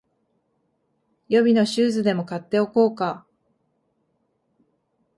予備のシューズでも買っておこうか